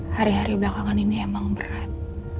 hari hari belakangan ini emang berat